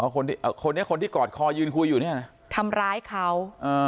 คนนี้คนที่กอดคอยืนคุยอยู่เนี่ยนะทำร้ายเขา